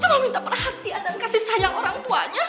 cuma minta perhatian dan kasih sayang orang tuanya